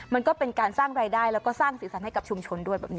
มันก็เป็นการสร้างรายได้แล้วก็สร้างศีลสรรค์ให้กับชุมชนด้วย